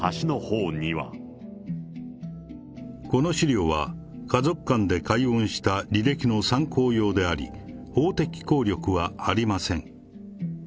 この資料は、家族間で解怨した履歴の参考用であり、法的効力はありません。